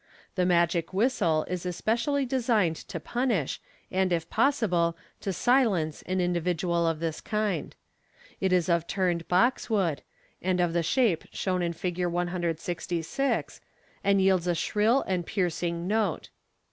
The magic whistle is specially designed to punish, and, if possible, to silence, an individual of this kind. It is of turned boxwood, and of the shape shown in Fig. 166, and yields a shrill and piercing note.